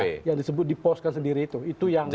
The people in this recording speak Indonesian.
iya yang disebut diposkan sendiri itu